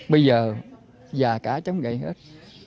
bây giờ già cả chấm gậy hết